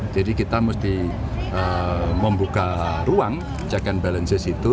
jadi kita mesti membuka ruang check and balances itu